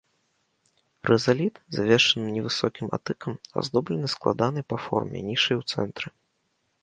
Рызаліт, завершаны невысокім атыкам, аздоблены складанай па форме нішай у цэнтры.